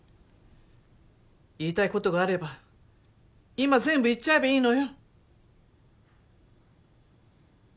言いたいことがあれば今全部言っちゃえばいいのよ。